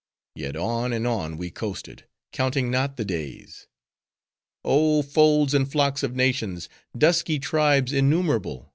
Yet on, and on we coasted; counting not the days. "Oh, folds and flocks of nations! dusky tribes innumerable!"